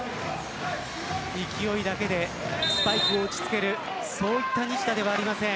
勢いだけでスパイクを打ちつけるそういった西田ではありません。